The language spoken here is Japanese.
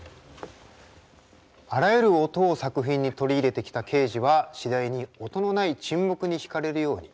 あらゆる音を作品に取り入れてきたケージは次第に音のない沈黙に引かれるように。